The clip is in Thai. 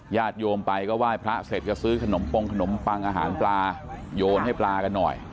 ญาติโยมไปก็ไหว้พระเสร็จก็ซื้อขนมปงขนมปังอาหารปลาโยนให้ปลากันหน่อย